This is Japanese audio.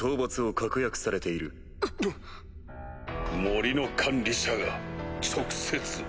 森の管理者が直接？